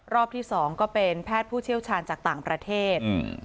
รอบที่สองก็เป็นแพทย์ผู้เชี่ยวชาญจากต่างประเทศ